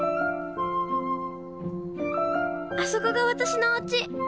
あそこが私のおうち！